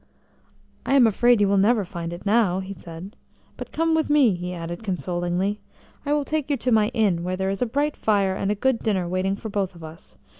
"I am afraid you will never find it now," he said. "But come with me," he added consolingly. "I will take you to my inn, where there is a bright fire and a good dinner waiting for both of us.